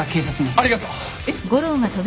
ありがとう。えっ？